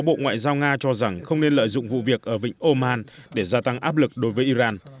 bộ ngoại giao nga cho rằng không nên lợi dụng vụ việc ở vịnh oman để gia tăng áp lực đối với iran